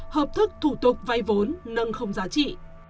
hợp thức thủ tục vay vốn nâng không giá trị